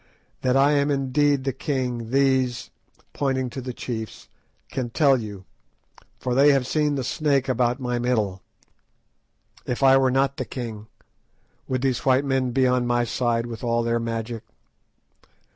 That I am indeed the king these"—pointing to the chiefs—"can tell you, for they have seen the snake about my middle. If I were not the king, would these white men be on my side with all their magic?